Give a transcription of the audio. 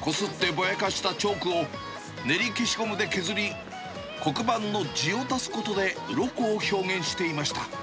こすってぼやかしたチョークを、練り消しゴムで削り、黒板の地を出すことで、うろこを表現していました。